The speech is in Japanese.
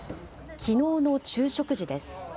きのうの昼食時です。